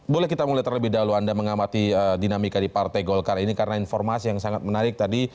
boleh kita mulai terlebih dahulu anda mengamati dinamika di partai golkar ini karena informasi yang sangat menarik tadi